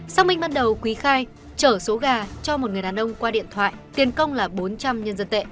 sau mình bắt đầu quý khai chở số gà cho một người đàn ông qua điện thoại tiền công là bốn trăm linh nhân dân tệ